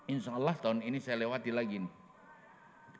insyaallah tahun ini saya lewati lagi nih